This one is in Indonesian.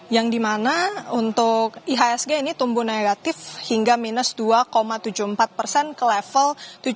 yang dimana untuk ihsg ini tumbuh negatif hingga minus dua tujuh puluh empat persen ke level tujuh